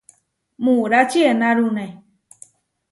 Muráči enárune.